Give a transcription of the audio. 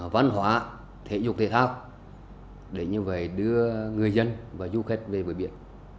văn hóa thể dục thể thao để như vậy đưa người dân và du khách về bờ biển